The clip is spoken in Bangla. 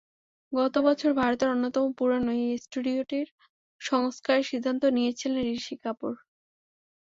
গত বছর ভারতের অন্যতম পুরোনো এই স্টুডিওটি সংস্কারের সিদ্ধান্ত নিয়েছিলেন ঋষি কাপুর।